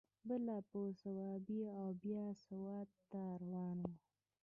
بله په صوابۍ او بیا سوات ته روان و.